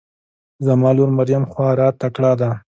زما لور مريم خواره تکړه ده